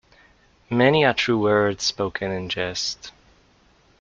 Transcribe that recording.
Many a true word spoken in jest.